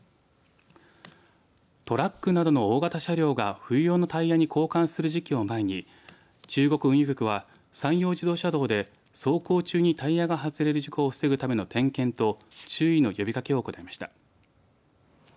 トラックなどの大型車両が冬用のタイヤに交換する時期を前に中国運輸局は山陽自動車道で走行中にタイヤが外れる事故を防ぐための点検と注意の呼びかけを行いました。